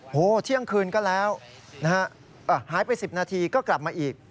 โอ้โหเที่ยงคืนก็แล้วนะฮะหายไป๑๐นาทีก็กลับมาอีก